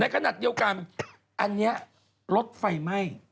ในขณะเดียวกันอันนี้ลดไฟไหม้